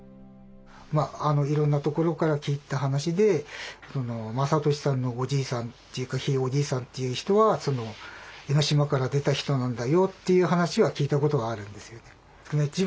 いろんなところから聞いた話で雅俊さんのおじいさんっていうかひいおじいさんっていう人は江島から出た人なんだよっていう話は聞いたことがあるんですよね。